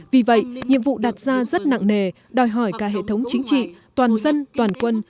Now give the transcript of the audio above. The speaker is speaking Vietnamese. vì vậy nhiệm vụ đặt ra rất nặng nề đòi hỏi cả hệ thống chính trị toàn dân toàn quân